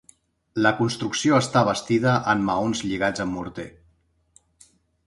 La construcció està bastida en maons lligats amb morter.